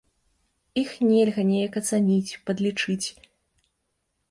Іх нельга неяк ацаніць, падлічыць.